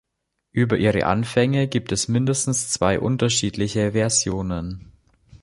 Über ihre Anfänge gibt es mindestens zwei unterschiedliche Versionen.